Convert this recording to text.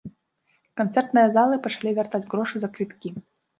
Канцэртныя залы пачалі вяртаць грошы за квіткі.